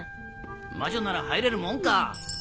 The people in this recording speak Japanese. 魔女なら入れるもんか！